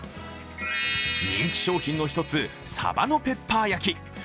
人気商品の一つサバのペッパー焼き。